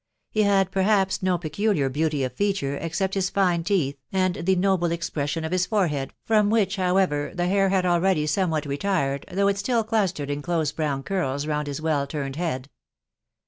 He had perhaps no peculiar beauty of feature except his fine teeth, and the noble expression of his forehead, from which, however, the hair had already somewhat retired, though it snU clustered in close brown curls round his well turned head.